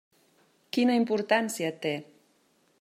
Quina importància té?